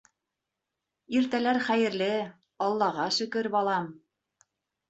— Иртәләр хәйерле, Аллаға шөкөр, балам!